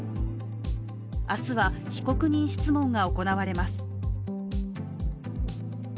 明日は被告人質問が行われます。